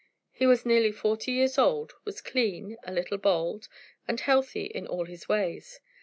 He was nearly forty years old, was clean, a little bald, and healthy in all his ways.